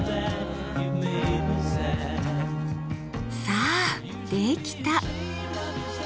さあできた！